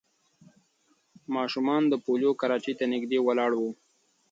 ماشومان د پولیو کراچۍ ته نږدې ولاړ وو.